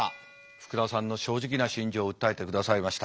福田さんの正直な心情を訴えてくださいました。